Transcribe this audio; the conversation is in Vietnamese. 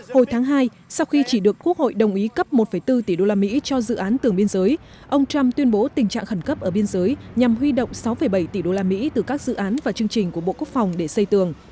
hồi tháng hai sau khi chỉ được quốc hội đồng ý cấp một bốn tỷ đô la mỹ cho dự án tường biên giới ông trump tuyên bố tình trạng khẩn cấp ở biên giới nhằm huy động sáu bảy tỷ đô la mỹ từ các dự án và chương trình của bộ quốc phòng để xây tường